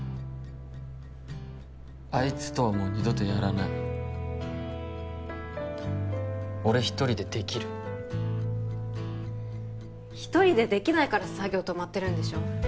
あいつとはもう二度とやらない俺一人でできる一人でできないから作業止まってるんでしょ？